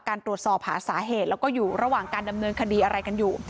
ตรวจสอบหาสาเหตุแล้วก็อยู่ระหว่างการดำเนินคดีอะไรกันอยู่